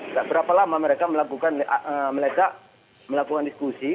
tidak berapa lama mereka melakukan meledak melakukan diskusi